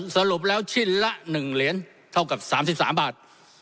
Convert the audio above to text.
สรุปแล้วชิ้นละ๑เหรียญเท่ากับ๓๓บาท